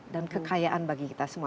dan kekayaan bagi kita semua